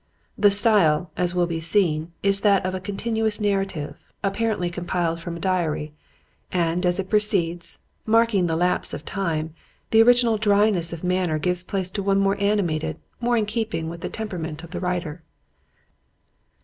The style, as will be seen, is that of a continuous narrative, apparently compiled from a diary; and, as it proceeds, marking the lapse of time, the original dryness of manner gives place to one more animated, more in keeping with the temperament of the writer.